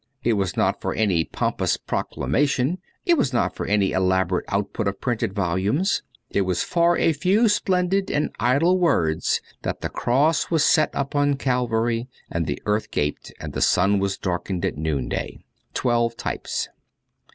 It was not for any pompous proclamation, it was not for any elaborate output of printed volumes ; it was for a few splendid and idle words that the cross was set up on Calvary and the earth gaped, and the sun was darkened at noonday. ' Twelve Types.'